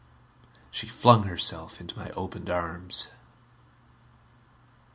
She flung herself into my opened arms.